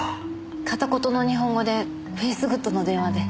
片言の日本語でフェイスグッドの電話で。